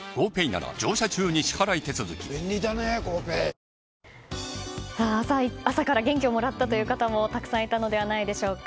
クリニカアドバンテージ朝から元気をもらったという方もたくさんいたのではないでしょうか。